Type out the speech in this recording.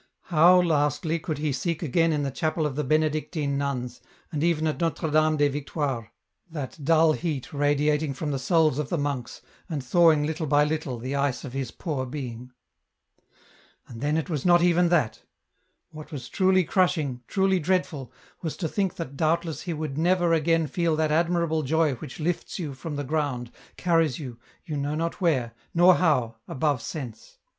How, lastly, could he seek again in the chapel of the Benedictine nuns, and even at Notre Dame des Victoires, that dull heat radiating from the souls of the monks, and thawing little by little the ice of his poor being ? And then it was not even that. What was truly crushing, truly dreadful, was to think that doubtless he would never agam feel that admirable joy which lifts you from the ground, carries you, you know not where, nor how, above sense.